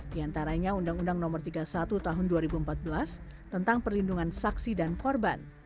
di antaranya undang undang no tiga puluh satu tahun dua ribu empat belas tentang perlindungan saksi dan korban